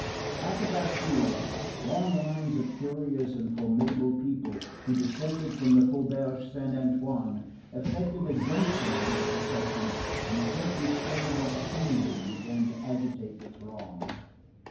At the Bastille, long files of curious and formidable people who descended from the Faubourg Saint Antoine, effected a junction with the procession, and a certain terrible seething began to agitate the throng.